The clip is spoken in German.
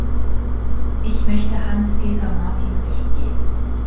Ich möchte Hans-Peter Martin Recht geben.